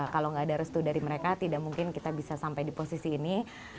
kalau nggak ada restu dari mereka tidak mungkin kita bisa sampai di posisi ini